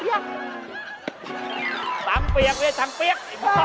อะไรดังเปียก